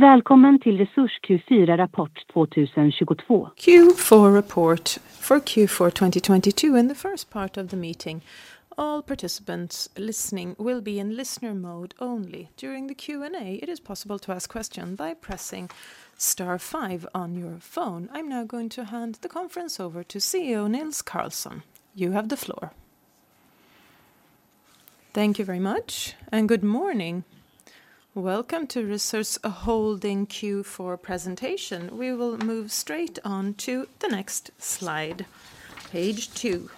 Welcome to Resurs Q4 report 2022. Q4 report for Q4 2022. In the first part of the meeting, all participants listening will be in listener mode only. During the Q&A, it is possible to ask question by pressing star five on your phone. I'm now going to hand the conference over to CEO Nils Carlsson. You have the floor. Thank you very much. Good morning. Welcome to Resurs Holding Q4 presentation. We will move straight on to the next slide, page two.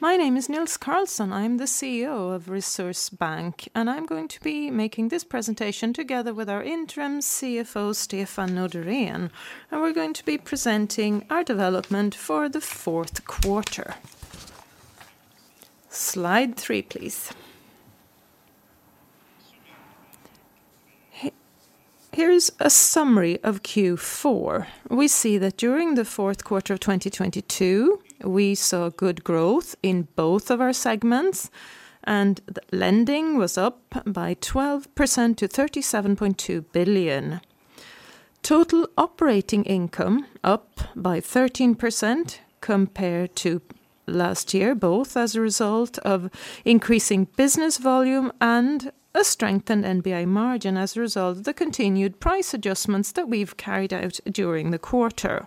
My name is Nils Carlsson. I'm the CEO of Resurs Bank, and I'm going to be making this presentation together with our interim CFO, Stefan Noderén, and we're going to be presenting our development for the fourth quarter. Slide three, please. Here is a summary of Q4. We see that during the fourth quarter of 2022, we saw good growth in both of our segments. The lending was up by 12% to 37.2 billion. Total operating income up by 13% compared to last year, both as a result of increasing business volume and a strengthened NBI margin as a result of the continued price adjustments that we've carried out during the quarter.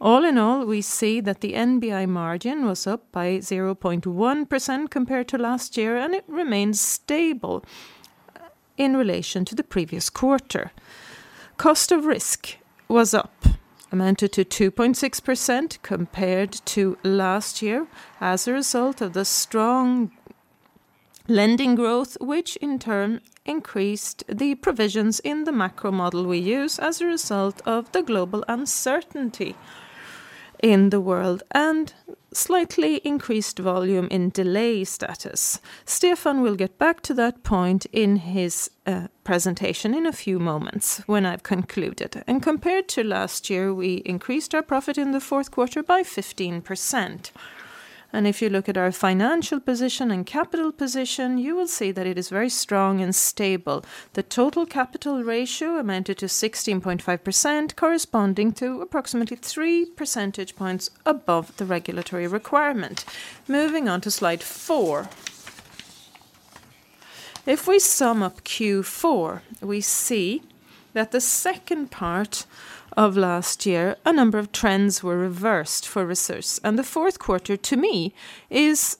All in all, we see that the NBI margin was up by 0.1% compared to last year, and it remains stable in relation to the previous quarter. Cost of Risk was up, amounted to 2.6% compared to last year as a result of the strong lending growth, which in turn increased the provisions in the macro model we use as a result of the global uncertainty in the world and slightly increased volume in delay status. Stefan will get back to that point in his presentation in a few moments when I've concluded. Compared to last year, we increased our profit in the fourth quarter by 15%. If you look at our financial position and capital position, you will see that it is very strong and stable. The Total Capital Ratio amounted to 16.5%, corresponding to approximately 3 percentage points above the regulatory requirement. Moving on to slide 4. If we sum up Q4, we see that the second part of last year, a number of trends were reversed for Resurs. The fourth quarter to me is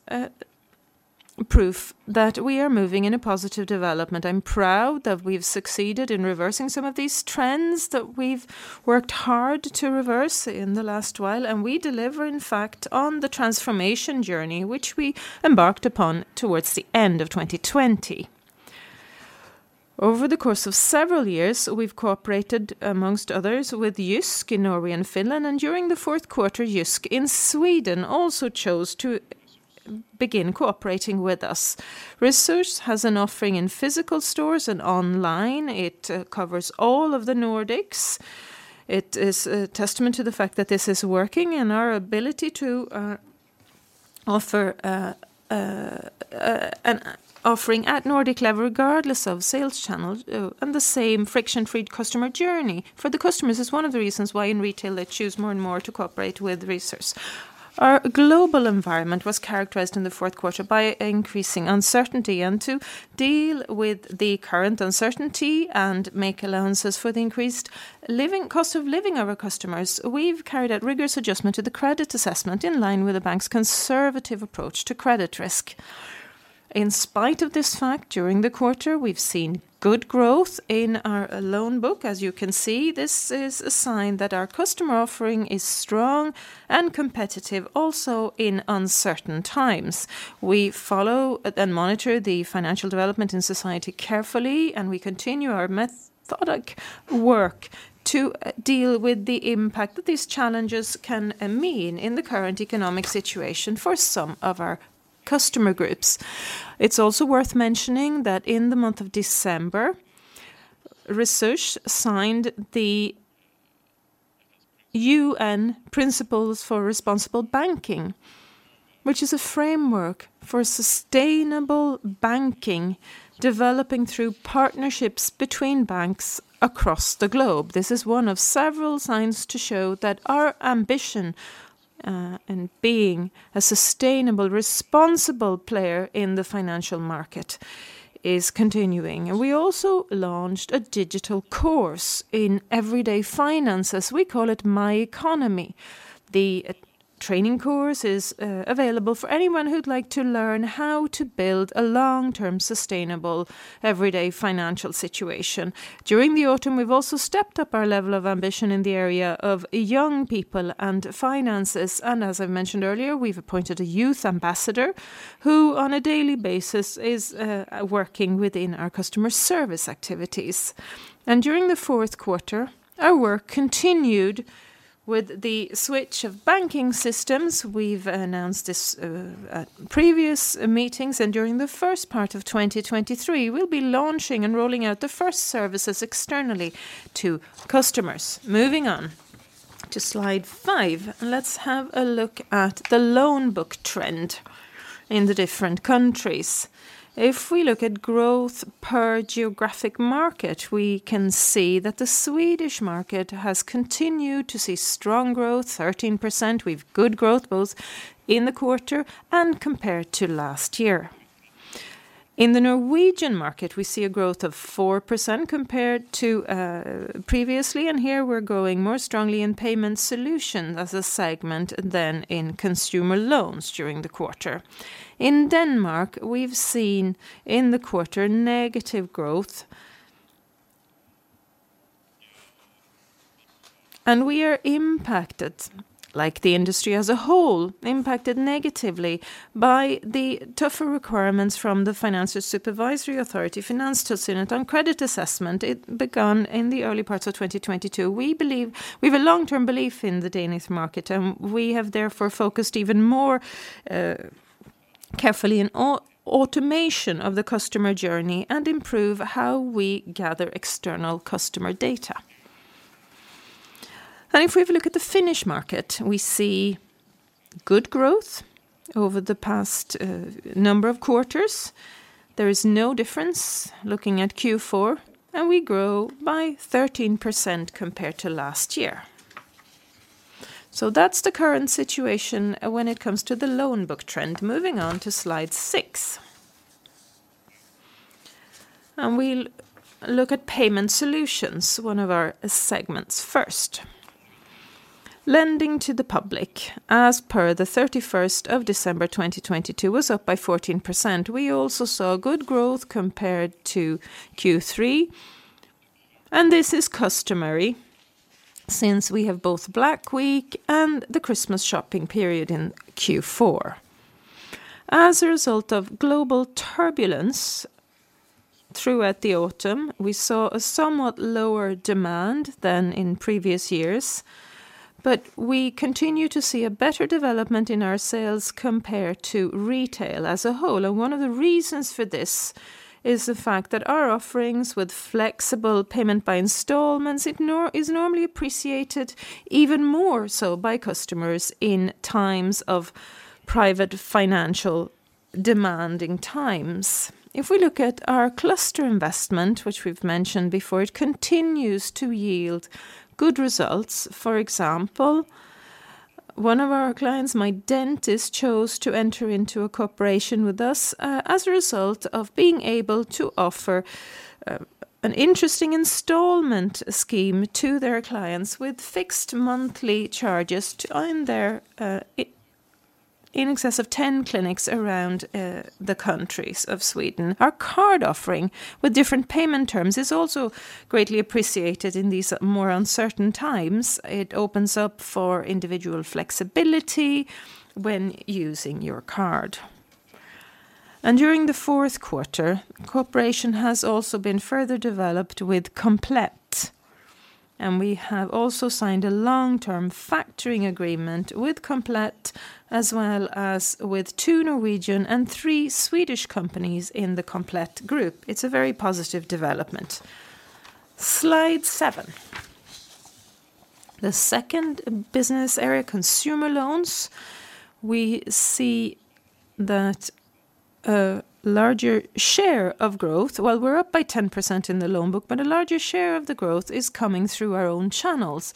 proof that we are moving in a positive development. I'm proud that we've succeeded in reversing some of these trends that we've worked hard to reverse in the last while, and we deliver in fact on the transformation journey which we embarked upon towards the end of 2020. Over the course of several years, we've cooperated amongst others with JYSK in Norway and Finland, and during the fourth quarter, JYSK in Sweden also chose to begin cooperating with us. Resurs has an offering in physical stores and online. It covers all of the Nordics. It is a testament to the fact that this is working and our ability to offer an offering at Nordic level regardless of sales channel and the same friction-free customer journey. For the customers, it's one of the reasons why in retail they choose more and more to cooperate with Resurs. Our global environment was characterized in the fourth quarter by increasing uncertainty, and to deal with the current uncertainty and make allowances for the increased cost of living of our customers, we've carried out rigorous adjustment to the credit assessment in line with the bank's conservative approach to credit risk. In spite of this fact, during the quarter, we've seen good growth in our loan book. As you can see, this is a sign that our customer offering is strong and competitive also in uncertain times. We follow and monitor the financial development in society carefully, and we continue our methodic work to deal with the impact that these challenges can mean in the current economic situation for some of our customer groups. It's also worth mentioning that in the month of December, Resurs signed the UN Principles for Responsible Banking, which is a framework for sustainable banking developing through partnerships between banks across the globe. This is one of several signs to show that our ambition in being a sustainable, responsible player in the financial market is continuing. We also launched a digital course in everyday finances, we call it My Economy. The training course is available for anyone who'd like to learn how to build a long-term, sustainable everyday financial situation. During the autumn, we've also stepped up our level of ambition in the area of young people and finances. As I mentioned earlier, we've appointed a youth ambassador who on a daily basis is working within our customer service activities. During the fourth quarter, our work continued with the switch of banking systems. We've announced this at previous meetings, and during the first part of 2023, we'll be launching and rolling out the first services externally to customers. Moving on. To slide 5. Let's have a look at the loan book trend in the different countries. If we look at growth per geographic market, we can see that the Swedish market has continued to see strong growth, 13%, with good growth both in the quarter and compared to last year. In the Norwegian market, we see a growth of 4% compared to previously, and here we're going more strongly in payment solution as a segment than in consumer loans during the quarter. In Denmark, we've seen in the quarter negative growth and we are impacted, like the industry as a whole, impacted negatively by the tougher requirements from the Financial Supervisory Authority, Finanstilsynet. On credit assessment, it began in the early parts of 2022. We have a long-term belief in the Danish market, and we have therefore focused even more carefully in automation of the customer journey and improve how we gather external customer data. If we have a look at the Finnish market, we see good growth over the past number of quarters. There is no difference looking at Q4, and we grow by 13% compared to last year. That's the current situation when it comes to the loan book trend. Moving on to slide 6. We'll look at payment solutions, one of our segments first. Lending to the public as per the 31st of December 2022 was up by 14%. We also saw good growth compared to Q3. This is customary since we have both Black Week and the Christmas shopping period in Q4. As a result of global turbulence throughout the autumn, we saw a somewhat lower demand than in previous years, but we continue to see a better development in our sales compared to retail as a whole and one of the reasons for this is the fact that our offerings with flexible payment by installments, it is normally appreciated even more so by customers in times of private financial demanding times. If we look at our cluster investment, which we've mentioned before, it continues to yield good results. For example, one of our clients, MyDentist, chose to enter into a cooperation with us as a result of being able to offer an interesting installment scheme to their clients with fixed monthly charges to own their in excess of 10 clinics around the countries of Sweden. Our card offering with different payment terms is also greatly appreciated in these more uncertain times. It opens up for individual flexibility when using your card. During the fourth quarter, cooperation has also been further developed with Komplett, and we have also signed a long-term factoring agreement with Komplett, as well as with 2 Norwegian and 3 Swedish companies in the Komplett Group. It's a very positive development. Slide 7. The second business area, consumer loans, we see that a larger share of growth, while we're up by 10% in the loan book, but a larger share of the growth is coming through our own channels.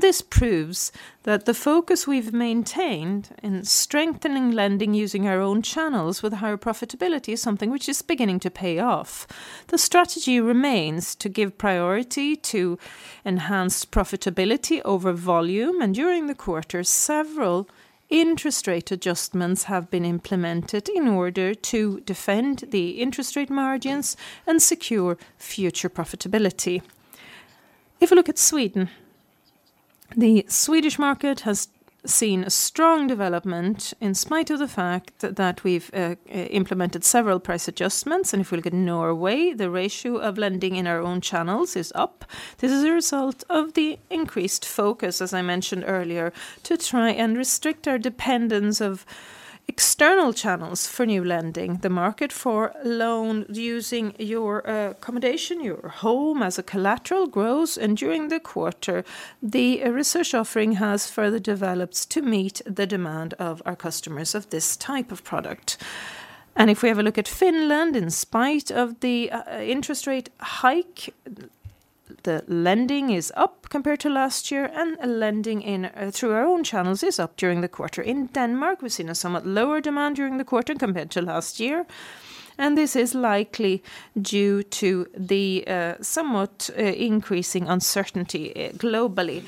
This proves that the focus we've maintained in strengthening lending using our own channels with higher profitability is something which is beginning to pay off. The strategy remains to give priority to enhanced profitability over volume, and during the quarter, several interest rate adjustments have been implemented in order to defend the interest rate margins and secure future profitability. If we look at Sweden, the Swedish market has seen a strong development in spite of the fact that we've implemented several price adjustments. If we look at Norway, the ratio of lending in our own channels is up. This is a result of the increased focus, as I mentioned earlier, to try and restrict our dependence of external channels for new lending. The market for loan using your accommodation, your home as a collateral grows. During the quarter, the Resurs offering has further developed to meet the demand of our customers of this type of product. If we have a look at Finland, in spite of the interest rate hike, the lending is up compared to last year, and lending through our own channels is up during the quarter. In Denmark, we've seen a somewhat lower demand during the quarter compared to last year, and this is likely due to the somewhat increasing uncertainty globally.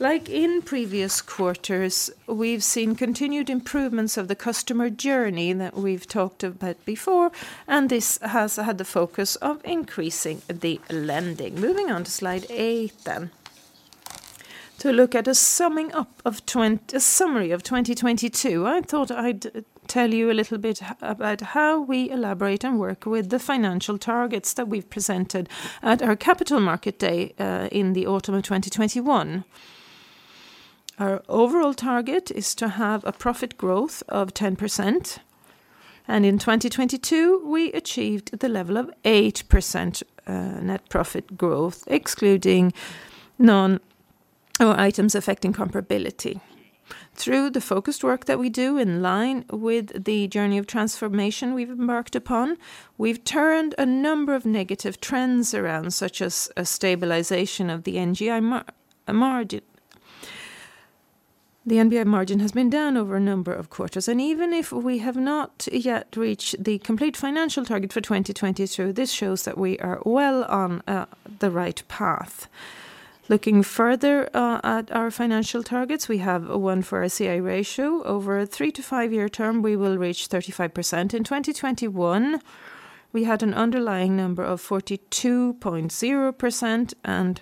Like in previous quarters, we've seen continued improvements of the customer journey that we've talked about before, and this has had the focus of increasing the lending. Moving on to slide 8. To look at a summary of 2022, I thought I'd tell you a little bit about how we elaborate and work with the financial targets that we've presented at our Capital Market Day in the autumn of 2021. Our overall target is to have a profit growth of 10%. In 2022 we achieved the level of 8% net profit growth excluding non-items affecting comparability. Through the focused work that we do in line with the journey of transformation we've embarked upon, we've turned a number of negative trends around such as a stabilization of the NBI margin. The NBI margin has been down over a number of quarters and even if we have not yet reached the complete financial target for 2022, this shows that we are well on the right path. Looking further at our financial targets, we have one for a CI ratio. Over a 3-5-year term we will reach 35%. In 2021 we had an underlying number of 42.0% and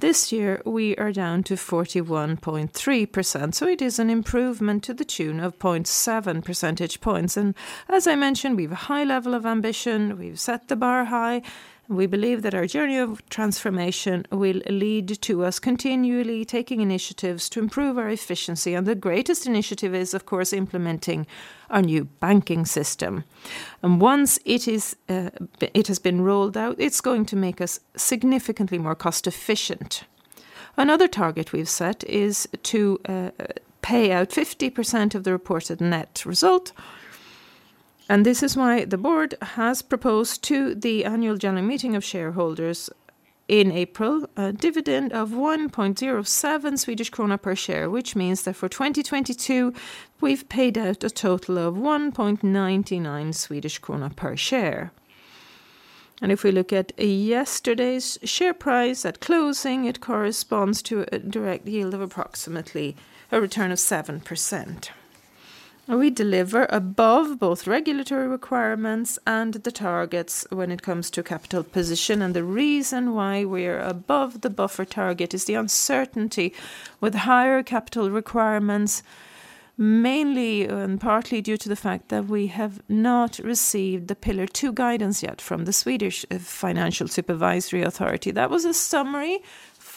this year we are down to 41.3%, so it is an improvement to the tune of 0.7 percentage points. As I mentioned, we have a high level of ambition. We've set the bar high and we believe that our journey of transformation will lead to us continually taking initiatives to improve our efficiency and the greatest initiative is of course implementing our new banking system. Once it is, it has been rolled out, it's going to make us significantly more cost efficient. Another target we've set is to pay out 50% of the reported net result and this is why the board has proposed to the annual general meeting of shareholders in April a dividend of 1.07 Swedish krona per share, which means that for 2022 we've paid out a total of 1.99 Swedish krona per share. If we look at yesterday's share price at closing, it corresponds to a direct yield of approximately a return of 7%. We deliver above both regulatory requirements and the targets when it comes to capital position and the reason why we're above the buffer target is the uncertainty with higher capital requirements, mainly and partly due to the fact that we have not received the Pillar Two guidance yet from the Swedish Financial Supervisory Authority. That was a summary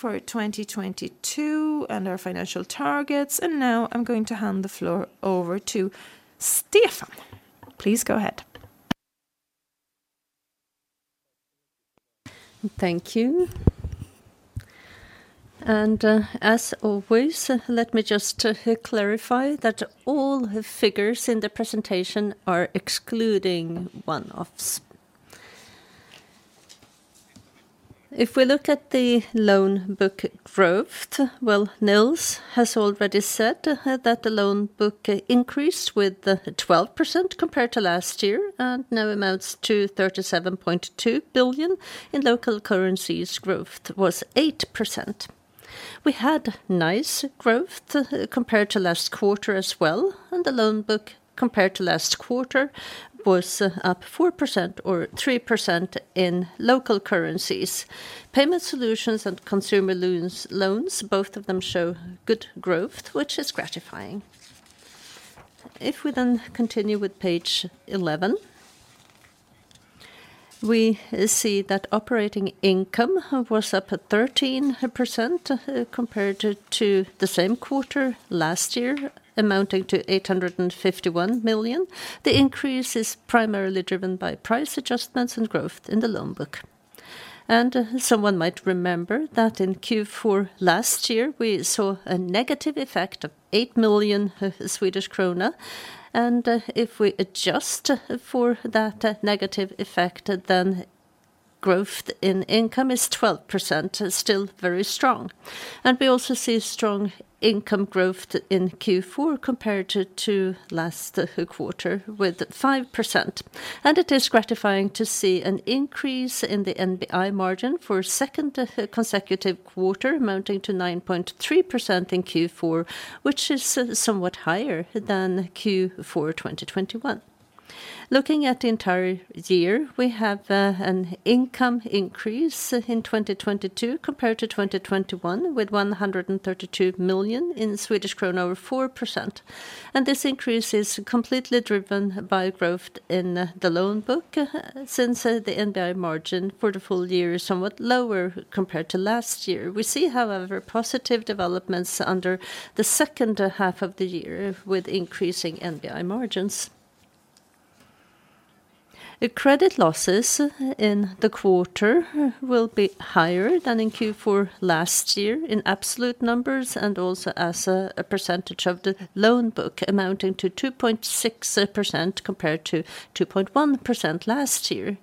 for 2022 and our financial targets and now I'm going to hand the floor over to Stefan. Please go ahead. Thank you. As always, let me just clarify that all the figures in the presentation are excluding one-offs. If we look at the loan book growth, well, Nils has already said that the loan book increased with 12% compared to last year and now amounts to 37.2 billion. In local currencies growth was 8%. We had nice growth compared to last quarter as well, and the loan book compared to last quarter was up 4% or 3% in local currencies. Payment solutions and consumer loans, both of them show good growth, which is gratifying. If we continue with page 11, we see that operating income was up at 13% compared to the same quarter last year, amounting to 851 million. The increase is primarily driven by price adjustments and growth in the loan book. Someone might remember that in Q4 last year we saw a negative effect of 8 million Swedish krona, if we adjust for that negative effect, then growth in income is 12%, still very strong. We also see strong income growth in Q4 compared to last quarter with 5%. It is gratifying to see an increase in the NBI margin for a second consecutive quarter amounting to 9.3% in Q4, which is somewhat higher than Q4 2021. Looking at the entire year, we have an income increase in 2022 compared to 2021 with 132 million over 4% and this increase is completely driven by growth in the loan book since the NBI margin for the full year is somewhat lower compared to last year. We see, however, positive developments under the second half of the year with increasing NBI margins. The credit losses in the quarter will be higher than in Q4 last year in absolute numbers and also as a percentage of the loan book amounting to 2.6% compared to 2.1% last year.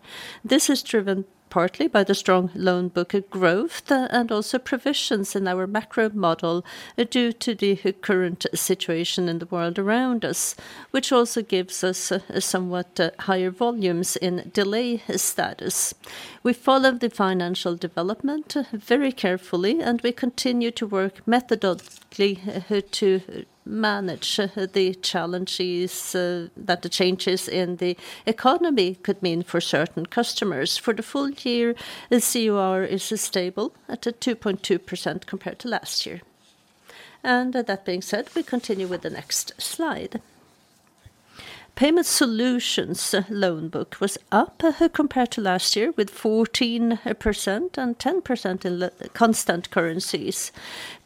This is driven partly by the strong loan book growth and also provisions in our macro model due to the current situation in the world around us, which also gives us somewhat higher volumes in delay status. We follow the financial development very carefully. We continue to work methodologically to manage the challenges that the changes in the economy could mean for certain customers. For the full year, the CUR is stable at 2.2% compared to last year. That being said, we continue with the next slide. Payment solutions loan book was up compared to last year with 14% and 10% in the constant currencies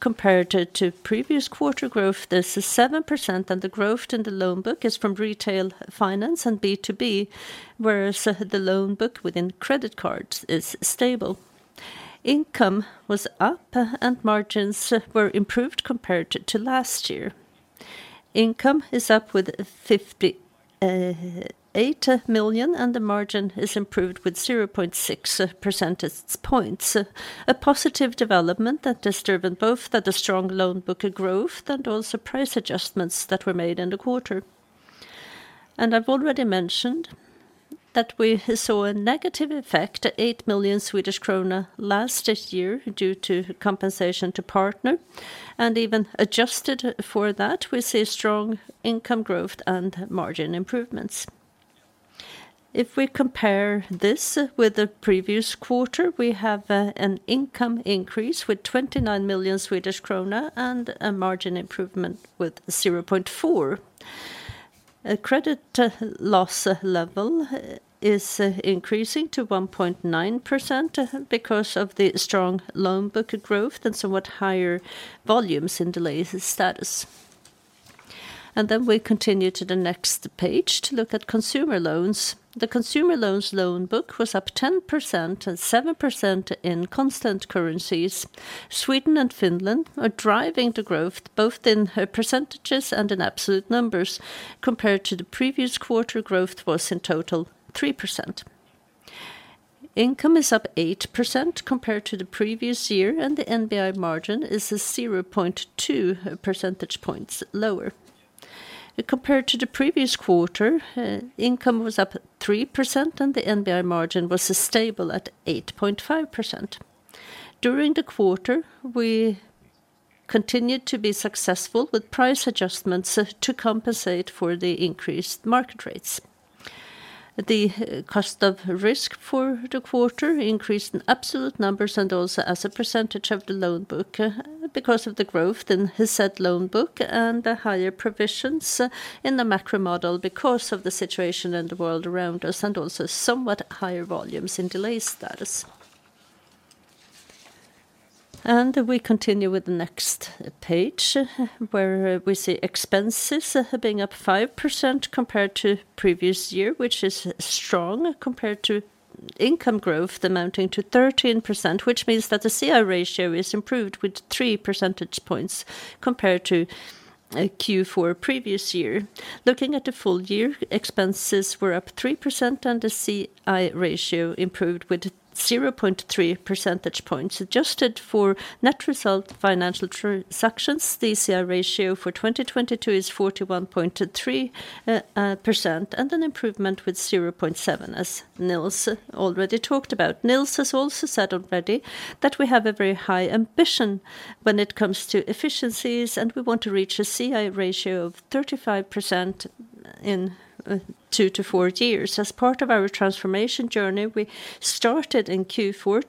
compared to previous quarter growth. This is 7%. The growth in the loan book is from Retail Finance and B2B, whereas the loan book within credit cards is stable. Income was up. Margins were improved compared to last year. Income is up with 58 million. The margin is improved with 0.6 percentage points. A positive development that is driven both at a strong loan book growth and also price adjustments that were made in the quarter. I've already mentioned that we saw a negative effect, SEK 8 million last year due to compensation to partner, and even adjusted for that, we see strong income growth and margin improvements. If we compare this with the previous quarter, we have an income increase with 29 million Swedish krona and a margin improvement with 0.4%. A credit loss level is increasing to 1.9% because of the strong loan book growth and somewhat higher volumes in delay status. We continue to the next page to look at consumer loans. The consumer loans loan book was up 10% and 7% in constant currencies. Sweden and Finland are driving the growth both in percentages and in absolute numbers compared to the previous quarter growth was in total 3%. Income is up 8% compared to the previous year, and the NBI margin is a 0.2 percentage points lower. Compared to the previous quarter, income was up at 3% and the NBI margin was stable at 8.5%. During the quarter, we continued to be successful with price adjustments to compensate for the increased market rates. The Cost of Risk for the quarter increased in absolute numbers and also as a percentage of the loan book because of the growth in the said loan book and the higher provisions in the macro model because of the situation in the world around us and also somewhat higher volumes in delay status. We continue with the next page where we see expenses being up 5% compared to previous year, which is strong compared to income growth amounting to 13%, which means that the CI ratio is improved with three percentage points compared to a Q4 previous year. Looking at the full year, expenses were up 3% and the CI ratio improved with 0.3 percentage points adjusted for net result financial transactions. The CI ratio for 2022 is 41.3% and an improvement with 0.7, as Nils already talked about. Nils has also said already that we have a very high ambition when it comes to efficiencies, and we want to reach a CI ratio of 35% in 2-4 years. As part of our transformation journey, we started in Q4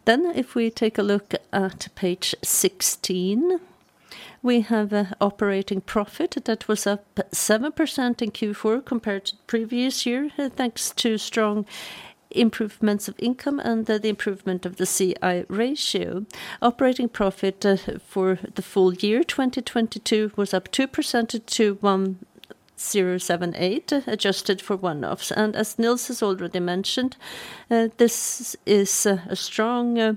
to move the Norwegian customer service activities to Sweden, and we do that to increase the service level we provide to customers and to improve efficiencies in the company. This is an initiative that we plan to complete in Q1 2023, but it has led to somewhat increased expenses in Q4. If we take a look at page 16, we have operating profit that was up 7% in Q4 compared to previous year, thanks to strong improvements of income and the improvement of the CI ratio. Operating profit for the full year 2022 was up 2% to 1,078, adjusted for one-offs. As Nils has already mentioned, this is a strong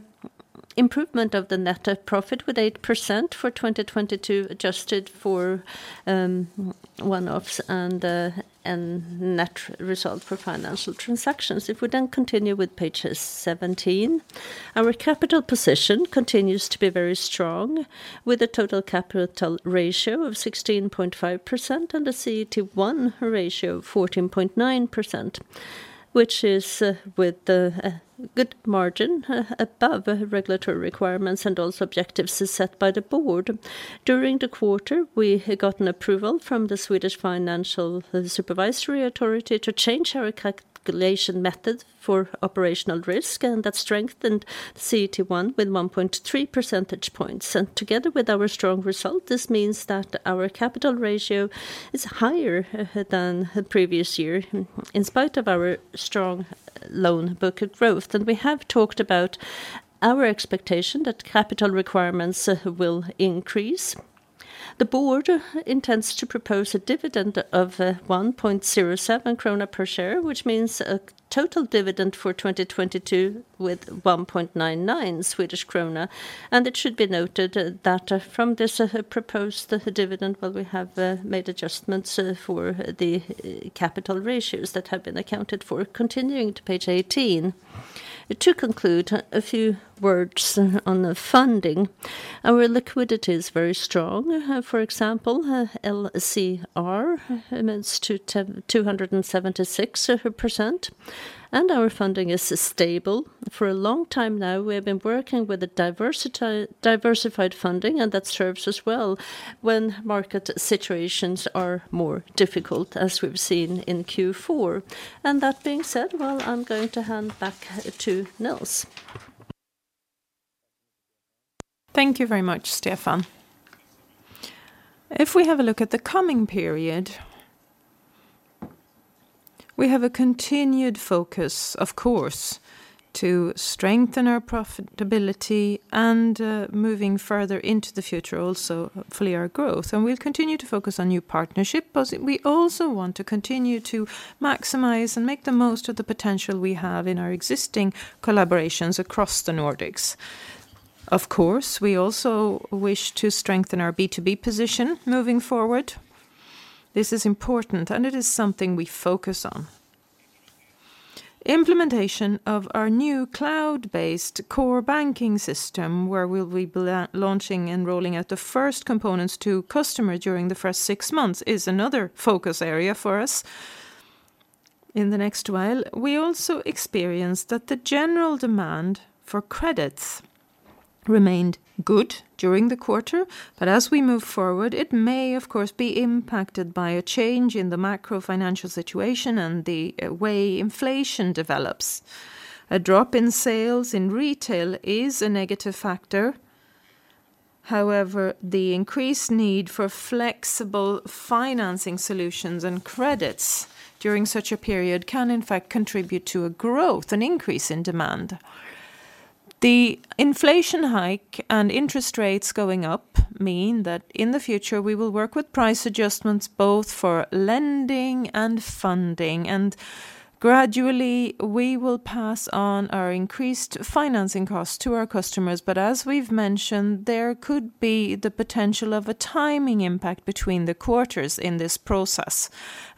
improvement of the net profit with 8% for 2022 adjusted for one-offs and net result for financial transactions. If we continue with pages 17, our capital position continues to be very strong with a Total Capital Ratio of 16.5% and a CET1 ratio of 14.9%, which is with the good margin above regulatory requirements and also objectives is set by the board. During the quarter, we had gotten approval from the Swedish Financial Supervisory Authority to change our calculation method for operational risk, and that strengthened CET1 with 1.3 percentage points. Together with our strong result, this means that our capital ratio is higher than the previous year in spite of our strong loan book growth. We have talked about our expectation that capital requirements will increase. The board intends to propose a dividend of 1.07 krona per share, which means a total dividend for 2022 with 1.99 Swedish krona. It should be noted that from this proposed dividend, well, we have made adjustments for the capital ratios that have been accounted for. Continuing to page 18. To conclude, a few words on the funding. Our liquidity is very strong. For example, LCR amounts to 276%. Our funding is stable. For a long time now, we have been working with a diversified funding, and that serves us well when market situations are more difficult, as we've seen in Q4. That being said, well, I'm going to hand back to Nils. Thank you very much, Stefan. If we have a look at the coming period, we have a continued focus, of course, to strengthen our profitability and moving further into the future also fuel our growth. We'll continue to focus on new partnership pos-- we also want to continue to maximize and make the most of the potential we have in our existing collaborations across the Nordics. We also wish to strengthen our B2B position moving forward. This is important, and it is something we focus on. Implementation of our new cloud-based core banking system, where we'll be launching and rolling out the first components to customer during the first 6 months, is another focus area for us in the next while. We also experienced that the general demand for credits remained good during the quarter. As we move forward, it may of course be impacted by a change in the macro financial situation and the way inflation develops. A drop in sales in retail is a negative factor. However, the increased need for flexible financing solutions and credits during such a period can in fact contribute to a growth and increase in demand. The inflation hike and interest rates going up mean that in the future we will work with price adjustments both for lending and funding. Gradually we will pass on our increased financing costs to our customers. As we've mentioned, there could be the potential of a timing impact between the quarters in this process.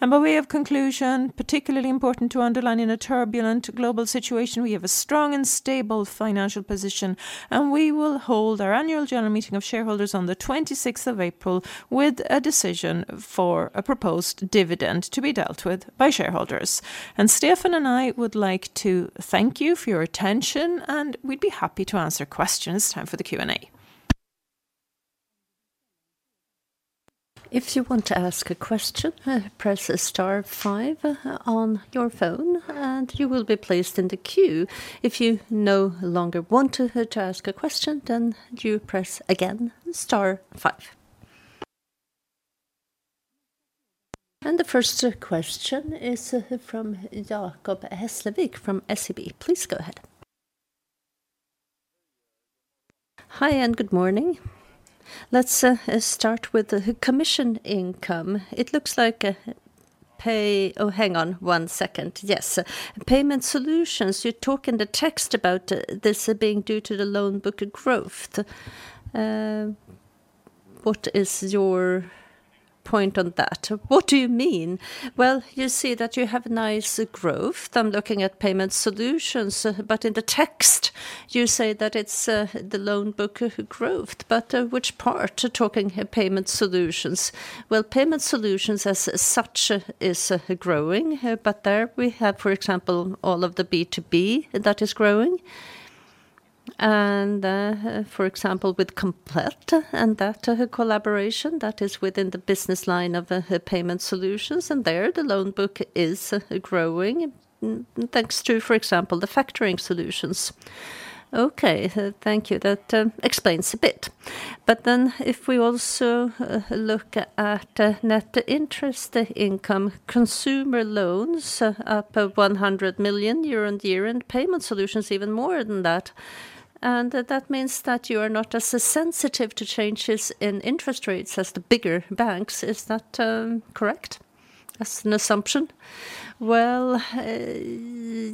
By way of conclusion, particularly important to underline in a turbulent global situation, we have a strong and stable financial position, and we will hold our annual general meeting of shareholders on April 26th with a decision for a proposed dividend to be dealt with by shareholders. Stefan and I would like to thank you for your attention, and we'd be happy to answer questions. Time for the Q&A. If you want to ask a question, press star five on your phone, you will be placed in the queue. If you no longer want to ask a question, you press again star five. The first question is from Jacob Hesslevik from SEB. Please go ahead. Hi, good morning. Let's start with the commission income. It looks like. Oh, hang on 1 second. Yes. Payment solutions, you talk in the text about this being due to the loan book growth. What is your point on that? What do you mean? Well, you see that you have nice growth. I'm looking at payment solutions, but in the text you say that it's the loan book growth. Which part talking payment solutions? Well, payment solutions as such is growing, but there we have, for example, all of the B2B that is growing. For example, with Komplett and that collaboration, that is within the business line of the payment solutions, and there the loan book is growing thanks to, for example, the factoring solutions. Okay. Thank you. That explains a bit. If we also look at net interest income, consumer loans up 100 million year-over-year and payment solutions even more than that. That means that you are not as sensitive to changes in interest rates as the bigger banks. Is that correct as an assumption? Well,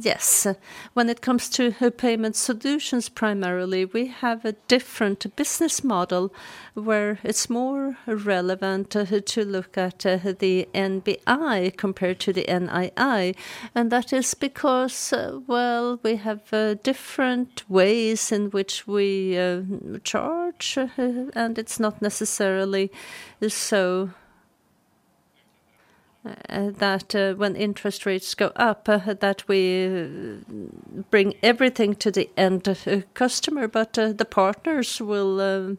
yes. When it comes to payment solutions, primarily, we have a different business model where it's more relevant to look at the NBI compared to the NII. That is because, well, we have different ways in which we charge, and it's not necessarily so that when interest rates go up, that we bring everything to the end customer, but the partners will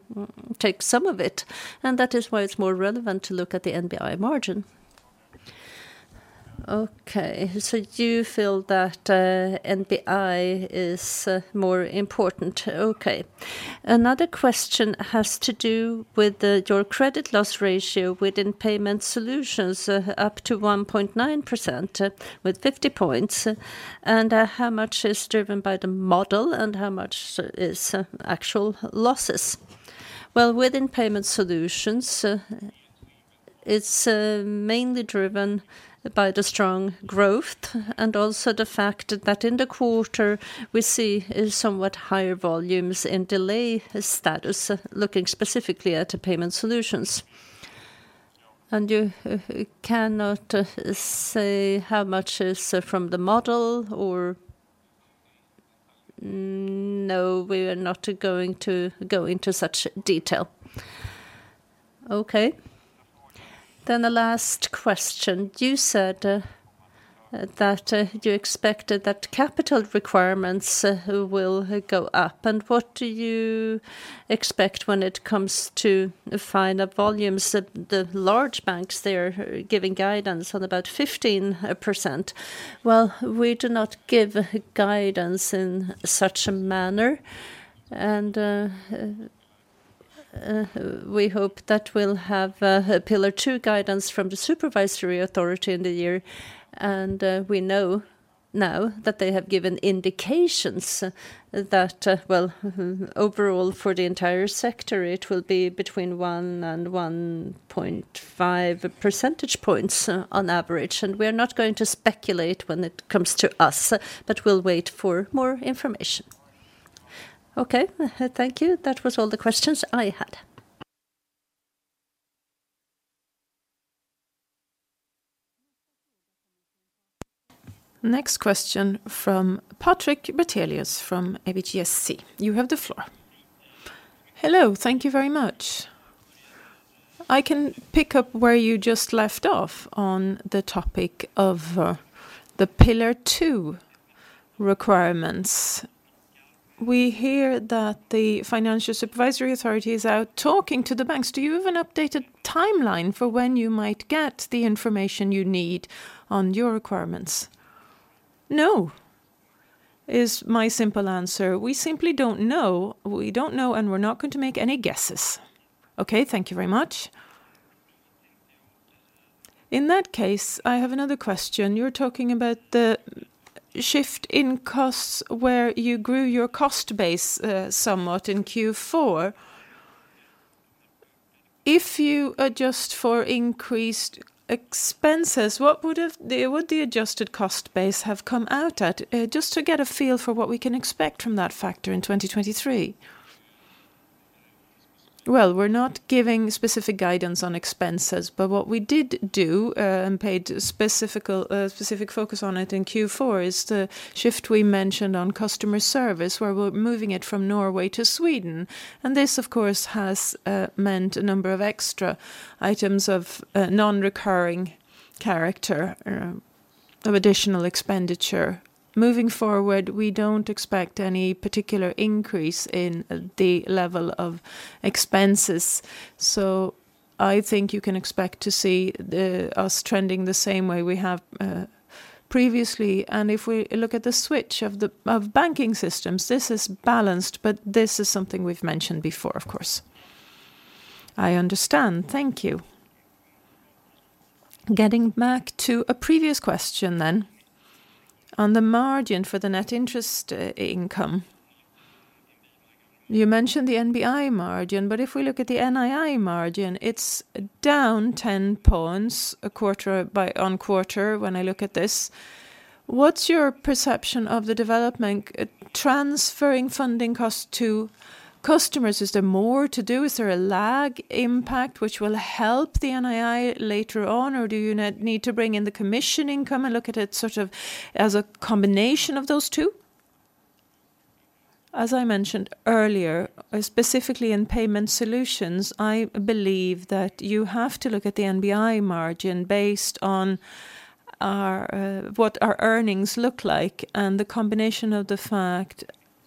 take some of it, and that is why it's more relevant to look at the NBI margin. Okay. You feel that NBI is more important. Another question has to do with your credit loss ratio within payment solutions, up to 1.9% with 50 points, and how much is driven by the model and how much is actual losses? Well, within payment solutions, it's mainly driven by the strong growth and also the fact that in the quarter we see a somewhat higher volumes in delay status, looking specifically at payment solutions. You cannot say how much is from the model. No, we are not going to go into such detail. Okay. The last question. You said that you expected that capital requirements will go up. What do you expect when it comes to final volumes? The large banks, they are giving guidance on about 15%. Well, we do not give guidance in such a manner. We hope that we'll have Pillar Two guidance from the supervisory authority in the year. We know now that they have given indications that, well, overall for the entire sector it will be between 1 and 1.5 percentage points, on average. We're not going to speculate when it comes to us, but we'll wait for more information. Okay. Thank you. That was all the questions I had. Next question from Patrik Brattelius from ABGSC. You have the floor. Hello. Thank you very much. I can pick up where you just left off on the topic of the Pillar Two requirements. We hear that the Swedish Financial Supervisory Authority is out talking to the banks. Do you have an updated timeline for when you might get the information you need on your requirements? No, is my simple answer. We simply don't know. We don't know, and we're not going to make any guesses. Okay. Thank you very much. In that case, I have another question. You're talking about the shift in costs where you grew your cost base somewhat in Q4. If you adjust for increased expenses, what would the adjusted cost base have come out at? Just to get a feel for what we can expect from that factor in 2023. We're not giving specific guidance on expenses, but what we did do, and paid specific focus on it in Q4, is the shift we mentioned on customer service, where we're moving it from Norway to Sweden. This, of course, has meant a number of extra items of non-recurring character, of additional expenditure. Moving forward, we don't expect any particular increase in the level of expenses. I think you can expect to see us trending the same way we have previously. If we look at the switch of the banking systems, this is balanced, but this is something we've mentioned before, of course. I understand. Thank you. Getting back to a previous question then. On the margin for the net interest income, you mentioned the NBI margin, but if we look at the NII margin, it's down 10 points a quarter on quarter when I look at this. What's your perception of the development, transferring funding costs to customers? Is there more to do? Is there a lag impact which will help the NII later on? Or do you need to bring in the commission income and look at it sort of as a combination of those two? As I mentioned earlier, specifically in payment solutions, I believe that you have to look at the NBI margin based on what our earnings look like and the combination of the fact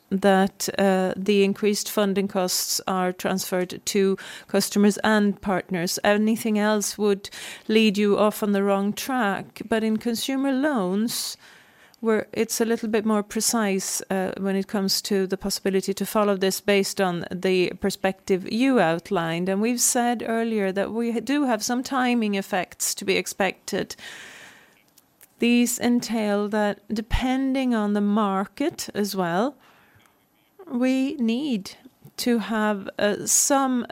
that the increased funding costs are transferred to customers and partners. Anything else would lead you off on the wrong track. In consumer loans, where it's a little bit more precise, when it comes to the possibility to follow this based on the perspective you outlined. We've said earlier that we do have some timing effects to be expected. These entail that depending on the market as well, we need to have some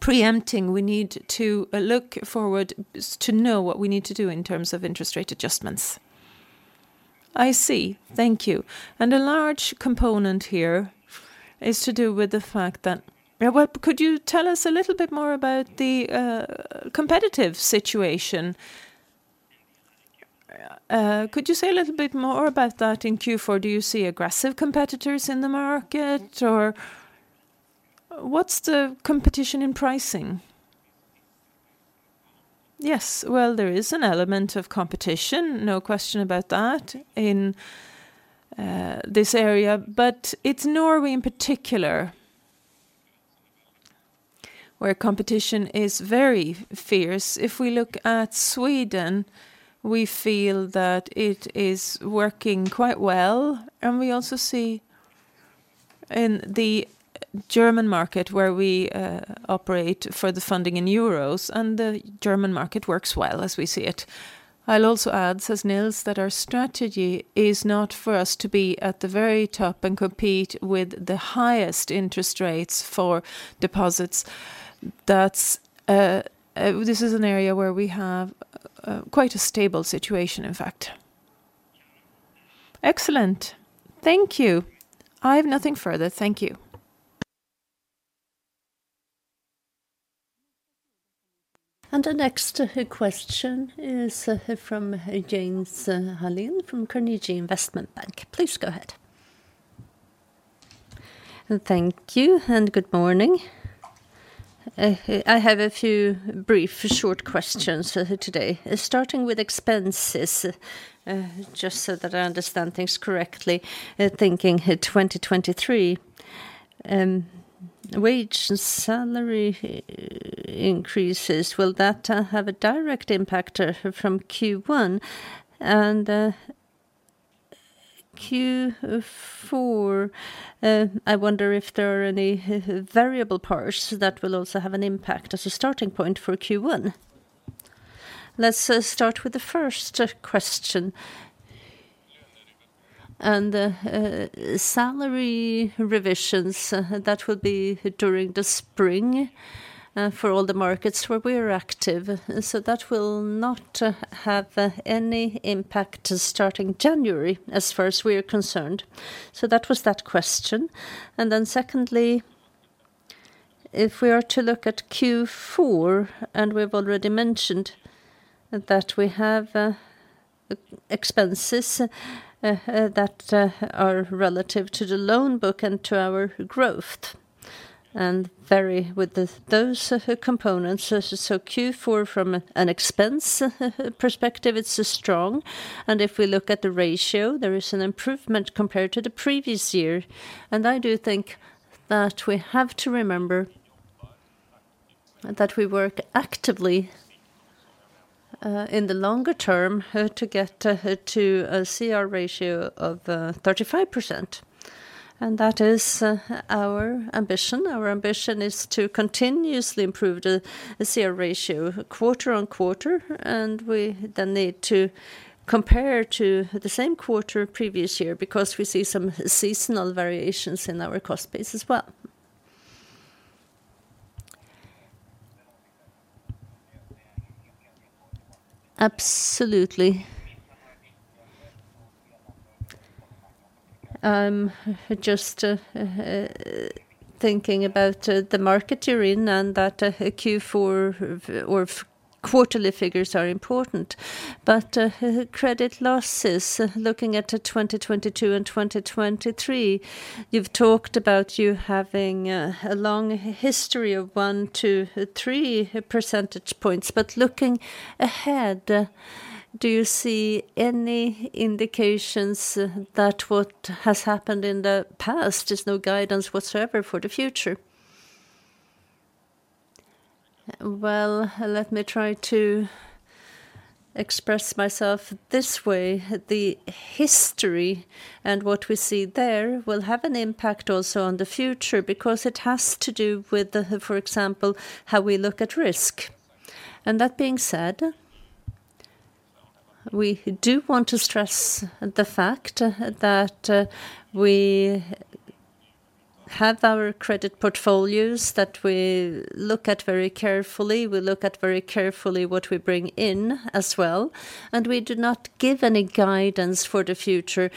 preempting. We need to look forward to know what we need to do in terms of interest rate adjustments. I see. Thank you. A large component here is to do with the fact that Well, could you tell us a little bit more about the competitive situation? Could you say a little bit more about that in Q4? Do you see aggressive competitors in the market? What's the competition in pricing? Yes. Well, there is an element of competition, no question about that, in this area, but it's Norway in particular where competition is very fierce. If we look at Sweden, we feel that it is working quite well. We also see in the German market where we operate for the funding in euros, and the German market works well as we see it. I'll also add, says Nils, that our strategy is not for us to be at the very top and compete with the highest interest rates for deposits. That's, this is an area where we have quite a stable situation, in fact. Excellent. Thank you. I have nothing further. Thank you. The next question is from Jens Hallén from Carnegie Investment Bank. Please go ahead. Thank you and good morning. I have a few brief short questions for today, starting with expenses. Just so that I understand things correctly, thinking 2023, wage and salary increases, will that have a direct impact from Q1 and Q4? I wonder if there are any variable parts that will also have an impact as a starting point for Q1. Let's start with the first question. Salary revisions, that will be during the spring, for all the markets where we are active. That will not have any impact starting January as far as we are concerned. That was that question. Secondly, if we are to look at Q4, and we've already mentioned that we have, expenses, that, are relative to the loan book and to our growth, and vary with those components. Q4 from an expense perspective, it's strong. If we look at the ratio, there is an improvement compared to the previous year. I do think that we have to remember that we work actively, in the longer term, to get, to a CET1 ratio of, 35%. That is, our ambition. Our ambition is to continuously improve the CET1 ratio quarter on quarter, and we then need to compare to the same quarter previous year because we see some seasonal variations in our cost base as well. Absolutely. Just thinking about the market you're in and that Q4 or quarterly figures are important. Credit losses, looking at the 2022 and 2023, you've talked about you having a long history of 1-3 percentage points. Looking ahead, do you see any indications that what has happened in the past is no guidance whatsoever for the future? Well, let me try to express myself this way. The history and what we see there will have an impact also on the future because it has to do with for example, how we look at risk. That being said, we do want to stress the fact that we have our credit portfolios that we look at very carefully. We look at very carefully what we bring in as well. We do not give any guidance for the future.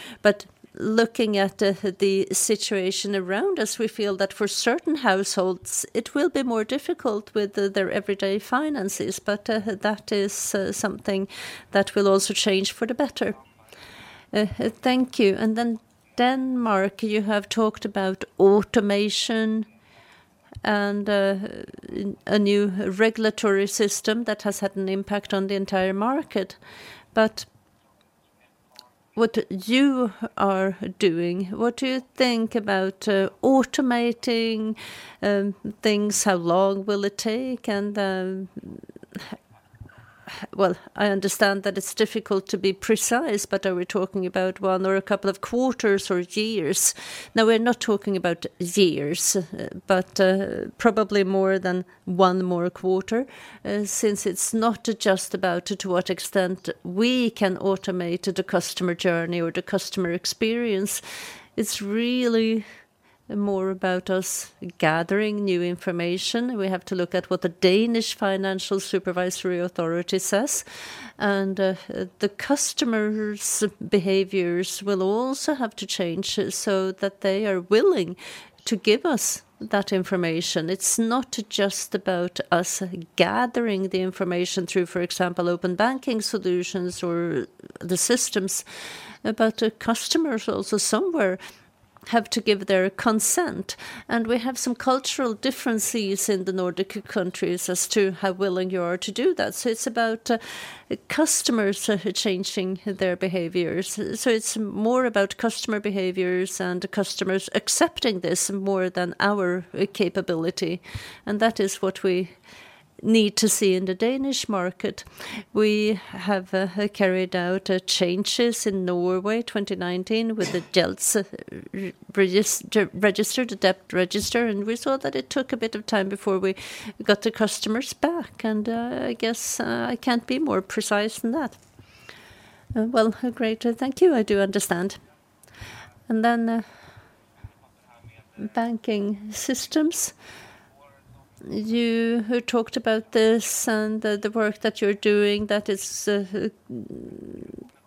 Looking at the situation around us, we feel that for certain households, it will be more difficult with their everyday finances. That is something that will also change for the better. Thank you. Denmark, you have talked about automation and a new regulatory system that has had an impact on the entire market. What you are doing, what do you think about automating things? How long will it take? Well, I understand that it's difficult to be precise, but are we talking about one or a couple of quarters or years? No, we're not talking about years, but probably more than one more quarter, since it's not just about to what extent we can automate the customer journey or the customer experience. It's really more about us gathering new information. We have to look at what the Danish Financial Supervisory Authority says, the customers' behaviors will also have to change so that they are willing to give us that information. It's not just about us gathering the information through, for example, open banking solutions or the systems, but customers also somewhere have to give their consent. We have some cultural differences in the Nordic countries as to how willing you are to do that. So it's about customers changing their behaviors. So it's more about customer behaviors and customers accepting this more than our capability. That is what we need to see in the Danish market. We have carried out changes in Norway 2019 with the Gjeldsregisteret, the debt register, and we saw that it took a bit of time before we got the customers back. I guess I can't be more precise than that. Well, great. Thank you. I do understand. Then banking systems, you talked about this and the work that you're doing that is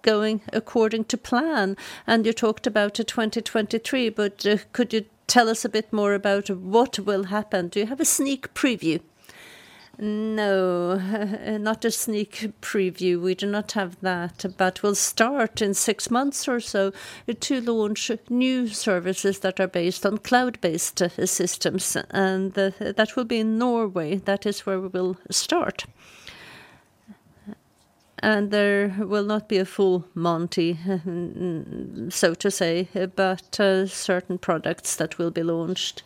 going according to plan, and you talked about the 2023, but could you tell us a bit more about what will happen? Do you have a sneak preview? No, not a sneak preview. We do not have that. We'll start in 6 months or so to launch new services that are based on cloud-based systems and that will be in Norway. That is where we will start. There will not be a full monty, so to say, but certain products that will be launched.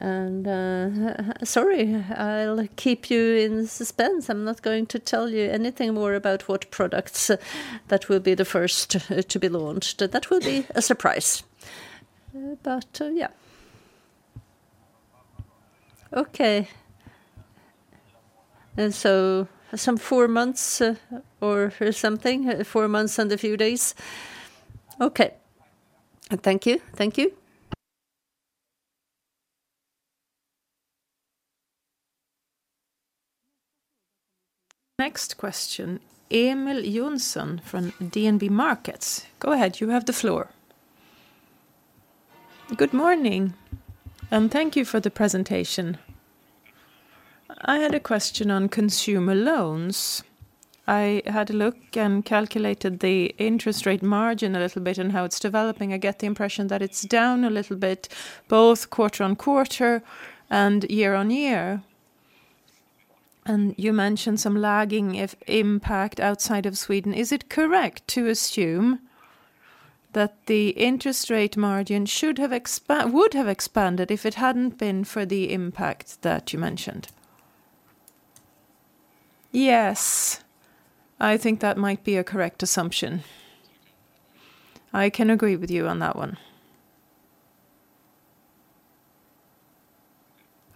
Sorry, I'll keep you in suspense. I'm not going to tell you anything more about what products that will be the first to be launched. That will be a surprise. Yeah. Okay. Some 4 months or for something, 4 months and a few days. Okay. Thank you. Thank you. Next question, Emil Jonsson from DNB Markets. Go ahead. You have the floor. Good morning, and thank you for the presentation. I had a question on consumer loans. I had a look and calculated the interest rate margin a little bit and how it's developing. I get the impression that it's down a little bit, both quarter-on-quarter and year-on-year. You mentioned some lagging if impact outside of Sweden. Is it correct to assume that the interest rate margin would have expanded if it hadn't been for the impact that you mentioned? Yes. I think that might be a correct assumption. I can agree with you on that one.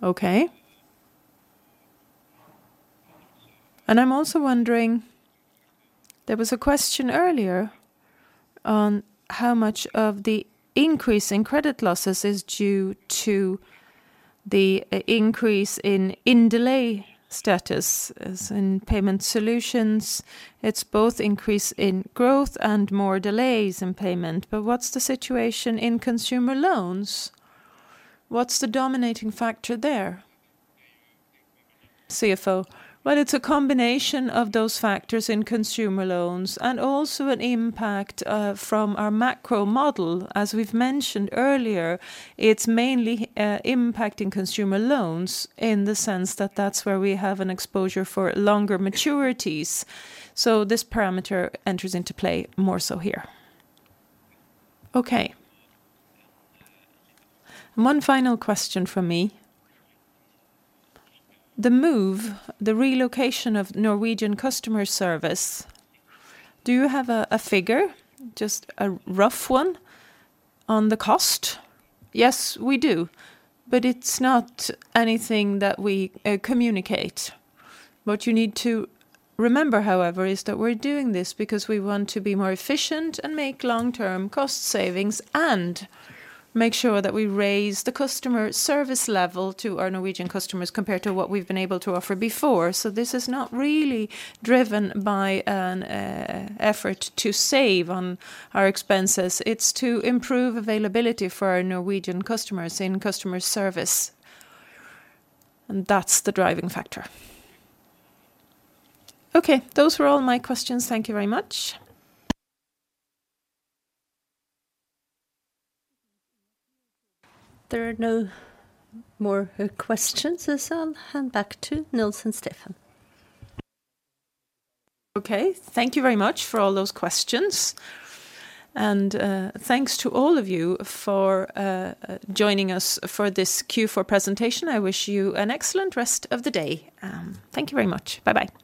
Okay. I'm also wondering, there was a question earlier on how much of the increase in credit losses is due to the increase in delay status as in payment solutions. It's both increase in growth and more delays in payment, but what's the situation in consumer loans? What's the dominating factor there? CFO. Well, it's a combination of those factors in consumer loans and also an impact from our macro model. As we've mentioned earlier, it's mainly impacting consumer loans in the sense that that's where we have an exposure for longer maturities. This parameter enters into play more so here. Okay. One final question from me? The move, the relocation of Norwegian customer service, do you have a figure, just a rough one on the cost? Yes, we do. It's not anything that we communicate. What you need to remember, however, is that we're doing this because we want to be more efficient and make long-term cost savings and make sure that we raise the customer service level to our Norwegian customers compared to what we've been able to offer before. This is not really driven by an effort to save on our expenses. It's to improve availability for our Norwegian customers in customer service, and that's the driving factor. Okay. Those were all my questions. Thank you very much. There are no more questions. I'll hand back to Nils and Stefan. Okay. Thank you very much for all those questions. Thanks to all of you for, joining us for this Q4 presentation. I wish you an excellent rest of the day. Thank you very much. Bye-bye.